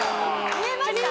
見えました？